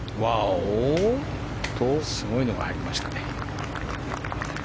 すごいのが入りましたね。